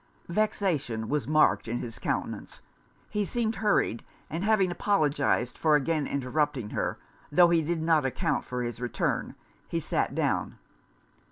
Vexation was marked in his countenance: he seemed hurried; and having apologized for again interrupting her, tho' he did not account for his return, he sat down.